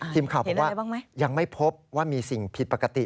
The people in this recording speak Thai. ทีมข่าวบอกว่ายังไม่พบว่ามีสิ่งผิดปกติ